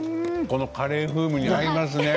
このカレー風味に合いますね。